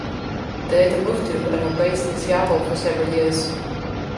They later moved to and were based in Seattle for several years.